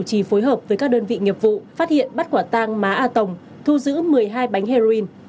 trì phối hợp với các đơn vị nghiệp vụ phát hiện bắt quả tang má a tổng thu giữ một mươi hai bánh heroin